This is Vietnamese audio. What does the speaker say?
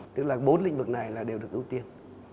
tức là bốn lĩnh vực này là đều được ưu tiên